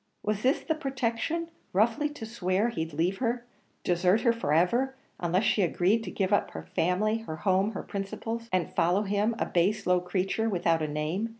Was this the protection roughly to swear he'd leave her, desert her for ever, unless she agreed to give up her family, her home, her principles, and follow him, a base low creature, without a name?